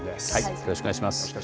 よろしくお願いします。